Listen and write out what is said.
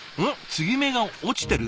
継ぎ目が落ちてる？